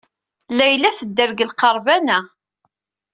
Layla tedder deg lqerban-a.